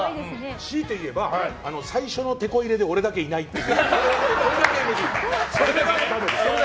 強いて言えば最初のテコ入れで俺だけいないっていう。